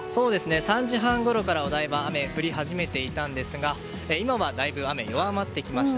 ３時半ごろからお台場雨が降り始めていたんですが今はだいぶ雨は弱まってきました。